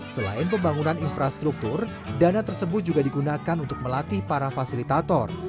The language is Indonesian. selain pembangunan infrastruktur dana tersebut juga digunakan untuk melatih para fasilitator